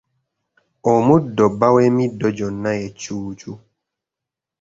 Omuddo bba w'emiddo gyonna ye Ccuucu.